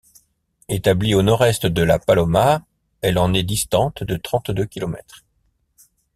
Établie au nord-est de La Paloma, elle en est distante de trente-deux kilomètres.